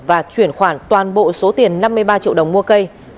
và chuyển khoản toàn bộ số tiền năm mươi ba triệu đồng mua cây